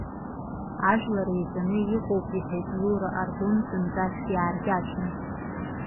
Ажәлар еизаны иҟоуп, — иҳәеит Иура Аргәын, зынӡак иааркьаҿны.